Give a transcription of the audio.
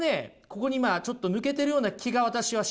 ここにちょっと抜けてるような気が私はします。